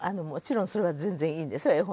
もちろんそれは全然いいんですよ